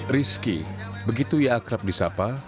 rizky begitu ia akrab di sapa